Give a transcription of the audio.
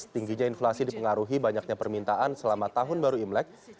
tingginya inflasi dipengaruhi banyaknya permintaan selama tahun baru imlek